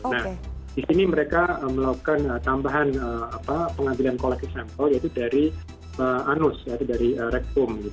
nah disini mereka melakukan tambahan pengambilan koleksi sampel yaitu dari anus dari rekum